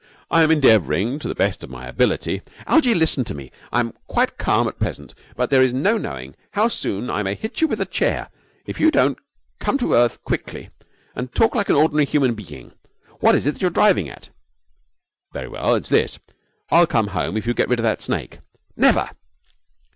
'I am endeavouring to the best of my ability ' 'Algie, listen to me! I am quite calm at present, but there's no knowing how soon I may hit you with a chair if you don't come to earth quick and talk like an ordinary human being. What is it that you are driving at?' 'Very well, it's this: I'll come home if you get rid of that snake.' 'Never!'